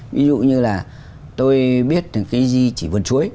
ví dụ như là tôi biết cái gì chỉ vườn chuối